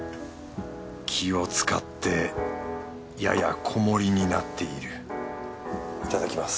気を遣ってやや小盛りになっているいただきます。